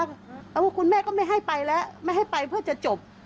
แต่ว่าคุณแม่ก็ไม่ให้ไปแล้วไม่ให้ไปเพื่อจะจบ